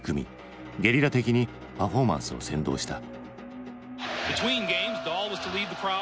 ゲリラ的にパフォーマンスを扇動した。